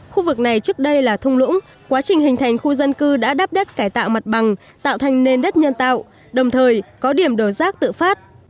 khu vực này trước đây là thung lũng quá trình hình thành khu dân cư đã đắp đất cải tạo mặt bằng tạo thành nền đất nhân tạo đồng thời có điểm đổ rác tự phát